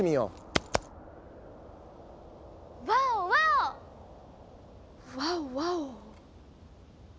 ワーオワオワオ！